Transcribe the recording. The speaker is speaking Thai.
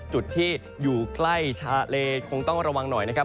จุดที่อยู่ใกล้ชาเลคงต้องระวังหน่อยนะครับ